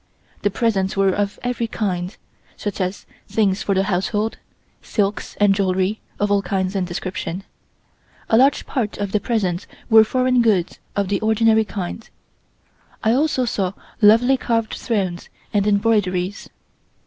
The presents were of every kind, such as things for the household; silks and jewelry of all kinds and description. A large part of the presents were foreign goods of the ordinary kind. I also saw lovely carved thrones and embroideries.